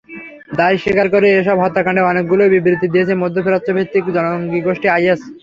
দায় স্বীকার করে এসব হত্যাকাণ্ডের অনেকগুলোতেই বিবৃতি দিয়েছে মধ্যপ্রাচ্যভিত্তিক জঙ্গিগোষ্ঠী আইএস।